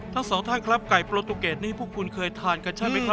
ท่านสองท่านไก่โปรตูเก็ตนี้พวกคุณเคยทานจังไมครับ